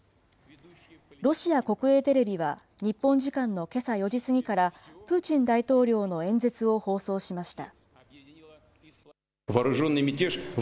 ロシア国営テレビは日本時間のけさ４時過ぎからプーチン大統領の演説を放送しました。